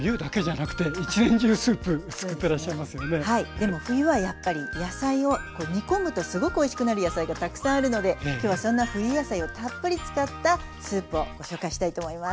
でも冬はやっぱり煮込むとすごくおいしくなる野菜がたくさんあるので今日はそんな冬野菜をたっぷり使ったスープをご紹介したいと思います。